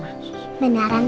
mama gak pencer lagi